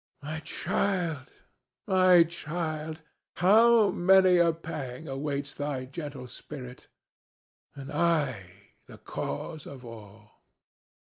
My child, my child, how many a pang awaits thy gentle spirit, and I the cause of all!"